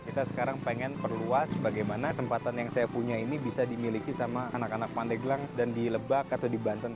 kita sekarang pengen perluas bagaimana kesempatan yang saya punya ini bisa dimiliki sama anak anak pandeglang dan di lebak atau di banten